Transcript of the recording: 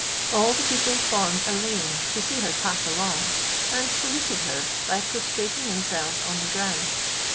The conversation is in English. All the people formed a lane to see her pass along, and saluted her by prostrating themselves on the ground.